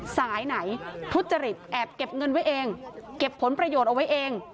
สายไหนทุจริตแอบเก็บเงินไว้เองเก็บผลประโยชน์เอาไว้เอง